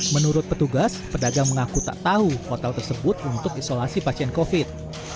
menurut petugas pedagang mengaku tak tahu hotel tersebut untuk isolasi pasien covid